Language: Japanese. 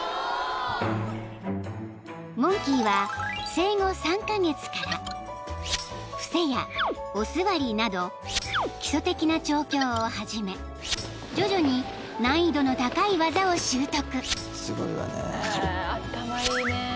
［モンキーは生後３カ月から伏せやお座りなど基礎的な調教を始め徐々に難易度の高い技を習得］